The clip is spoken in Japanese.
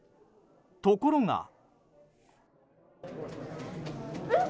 ところが。